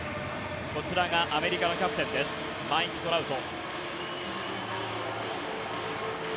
こちらはアメリカのキャプテンマイク・トラウト。